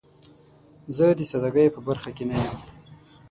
زه د سادګۍ په برخه کې نه یم.